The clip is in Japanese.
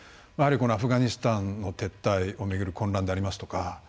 やはりアフガニスタンの撤退を巡る混乱でありますとか